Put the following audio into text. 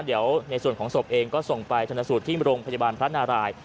เดี๋ยวในส่วนของศพเองก็ส่งไปชนสูตรที่โรงพยาบาลพระนาราย